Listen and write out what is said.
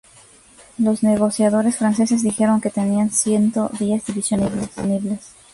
Los negociadores franceses dijeron que tenían ciento diez divisiones disponibles.